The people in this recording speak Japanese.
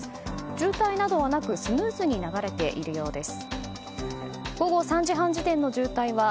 渋滞などはなくスムーズに流れているようです。